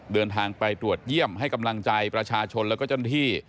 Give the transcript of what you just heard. เดินทางไปตรวจเยี่ยมให้กำลังใจประชาชนแล้วก็เจ้าหน้าที่